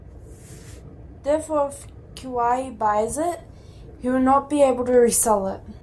Therefore, if Keawe buys it, he will not be able to resell it.